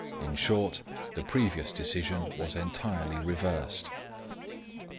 In short the previous decision was entirely reversed.